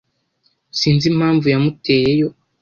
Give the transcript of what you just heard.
Sinzi impamvu yamuteyeyo.